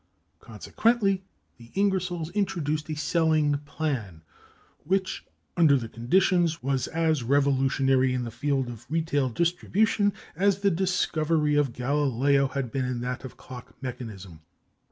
Consequently, the Ingersolls introduced a selling plan which, under the conditions, was as revolutionary in the field of retail distribution as the discovery of Galileo had been in that of clock mechanism.